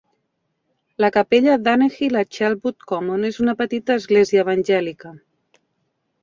La capella Danehill a Chelwood Common és una petita església evangèlica.